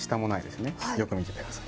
よく見てください。